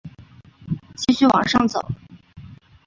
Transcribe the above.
继续往上走